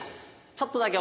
ちょっとだけ？